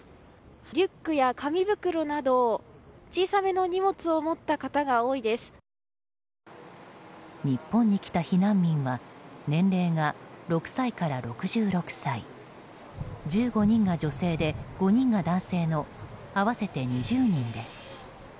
リュックや紙袋など小さめの荷物を持った方が日本に来た避難民は年齢が６歳から６６歳１５人が女性で、５人が男性の合わせて２０人です。